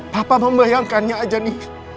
papa membayangkannya aja nih